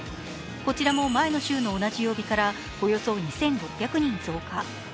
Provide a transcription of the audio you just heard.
こちらも前の週の同じ曜日からおよそ２６００人増加。